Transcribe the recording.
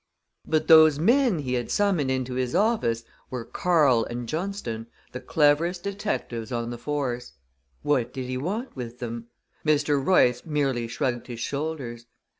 But those men he had summoned into his office were Karle and Johnston, the cleverest detectives on the force. What did he want with them? Mr. Royce merely shrugged his shoulders.